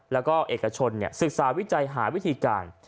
แล้วก็เอกชนศึกษาวิจัยหาวิธีการ